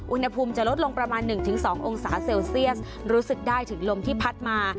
อุณหภูมิจะลดลงประมาณ๑๒องศาเซลเซียสรู้สึกได้ถึงลมที่พัดมา